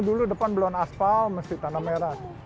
dulu depan belon aspal mesti tanah merah